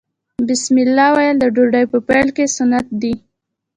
بسم الله ویل د ډوډۍ په پیل کې سنت دي.